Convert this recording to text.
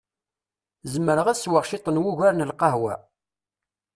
Zemreɣ ad sweɣ ciṭ n wugar n lqehwa?